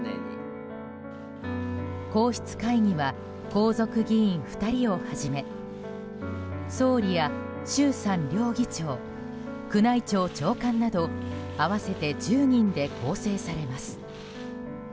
皇室会議は皇族議員２人をはじめ総理や衆参両議長宮内庁長官など合わせて１０人で構成されます。